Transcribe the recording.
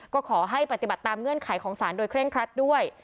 ก็ขอให้ปฏิบัติตามเงื่อนไขของสารโดยเคร่งครัดด้วย